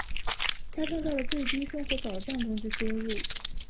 他创造了最低生活保障工资收入。